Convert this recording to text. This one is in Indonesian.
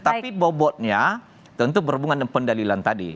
tapi bobotnya tentu berhubungan dengan pendalilan tadi